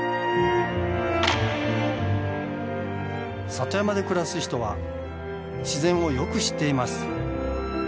里山で暮らす人は自然をよく知っています。